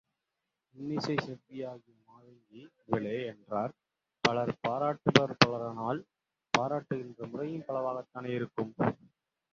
இன்னிசைச் செல்வியாகிய மாதங்கி இவளே என்றார் பலர் பாராட்டுபவர் பலரானால், பாராட்டுகின்ற முறையும் பலவாகத்தானே இருக்கும்?